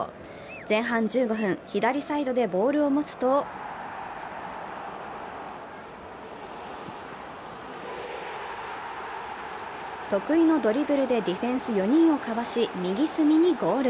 前半１５分、左サイドでボールを持つと得意のドリブルでディフェンス４人をかわし、右隅にゴール。